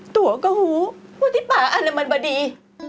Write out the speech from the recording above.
ตัวก็ฮู้ว่าที่ป่านว่ามันประดี